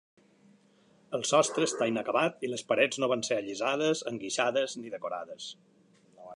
El sostre està inacabat i les parets no van ser allisades, enguixades ni decorades.